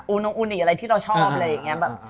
น้องอูนิกอะไรที่เราชอบอะไรอย่างนี้